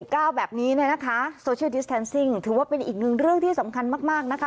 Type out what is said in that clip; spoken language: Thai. โซเชียลดิสเท็นซิงถือว่าเป็นอีกหนึ่งเรื่องที่สำคัญมากนะคะ